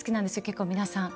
結構、皆さん。